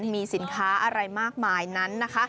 มีสินค้าอะไรมากมายนั้นนะคะ